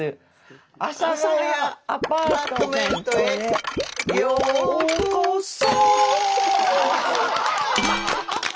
「阿佐ヶ谷アパートメント」へようこそ。